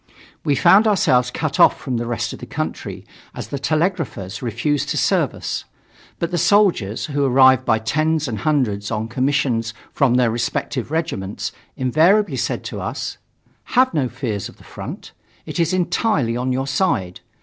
We found ourselves cut off from the rest of the country, as the telegraphers refused to serve us. But the soldiers, who arrived by tens and hundreds on commissions from their respective regiments, invariably said to us: "Have no fears of the front; it is entirely on your side.